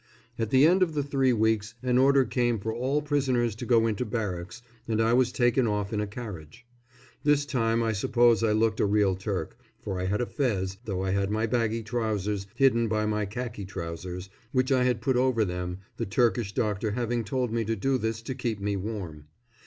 At the end of the three weeks an order came for all prisoners to go into barracks, and I was taken off in a carriage. This time I suppose I looked a real Turk, for I had a fez, though I had my baggy trousers hidden by my khaki trousers, which I had put over them, the Turkish doctor having told me to do this to keep me warm.